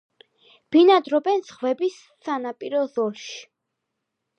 ბინადრობენ ზღვების სანაპირო ზოლში.